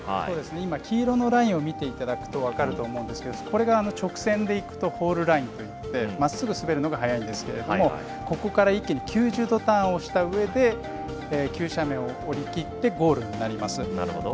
今、黄色のラインを見ていただくと分かると思うんですがこれが直線でいくとフォールラインといってまっすぐ滑れると速いんですがここから一気に９０度ターンをしたうえで急斜面を降りきってゴールになります。